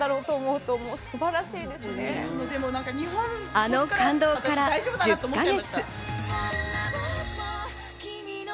あの感動から１０か月。